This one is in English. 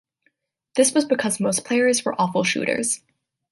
This was because most players were awful shooters.